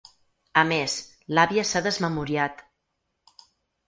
A més, l’àvia s’ha desmemoriat.